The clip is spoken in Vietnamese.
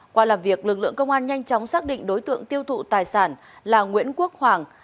qua làm việc lực lượng công an nhanh chóng xác định đối tượng tiêu thụ tài sản là nguyễn quốc hoàng